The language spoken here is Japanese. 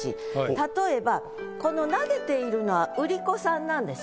例えばこの投げているのは売り子さんなんでしょ？